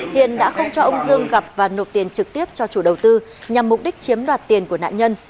hiền đã không cho ông dương gặp và nộp tiền trực tiếp cho chủ đầu tư nhằm mục đích chiếm đoạt tiền của nạn nhân